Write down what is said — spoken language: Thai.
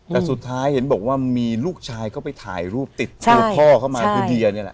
แต่สุดท้ายเห็นบอกว่ามีลูกชายเข้าไปถ่ายรูปติดตัวพ่อเข้ามาคือเดียนี่แหละ